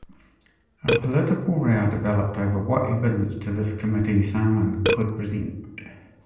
A political row developed over what evidence to this committee Salmond could present.